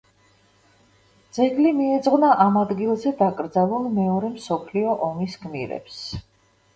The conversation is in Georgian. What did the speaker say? ძეგლი მიეძღვნა ამ ადგილზე დაკრძალულ მეორე მსოფლიო ომის გმირებს.